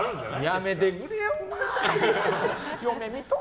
やめてくれよ、お前。